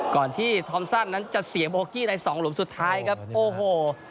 ก่อนที่นั้นจะเสียในส่องหลุมสุดท้ายครับโอ้โห